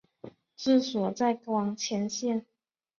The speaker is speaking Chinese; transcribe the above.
治所在光迁县。